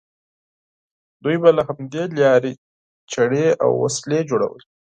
دوی به له همدې لارې چړې او وسلې جوړولې.